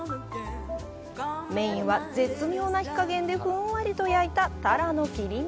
メインは、絶妙な火加減でふんわりと焼いたタラの切り身。